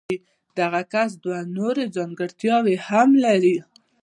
دا کسان دوه نورې ځانګړتیاوې هم لري.